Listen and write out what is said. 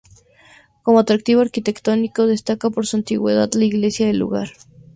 Como atractivo arquitectónico destaca por su antigüedad la iglesia del lugar.